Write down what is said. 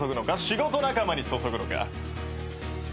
仕事仲間に注ぐのか。